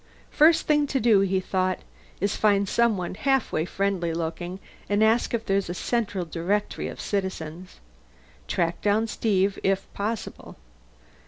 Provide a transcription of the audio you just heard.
First thing to do, he thought, is find someone halfway friendly looking and ask if there's a central directory of citizens. Track down Steve, if possible.